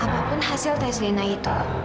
apapun hasil tes dna itu